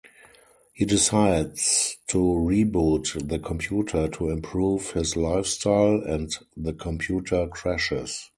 He decides to reboot The Computer to improve his lifestyle, and The Computer crashes.